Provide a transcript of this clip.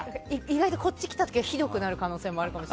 意外と、こっちに来たらひどくなる可能性もあるかも。